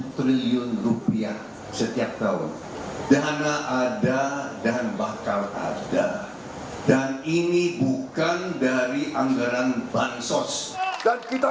triliun rupiah setiap tahun dana ada dan bakal ada dan ini bukan dari anggaran bansos dan kita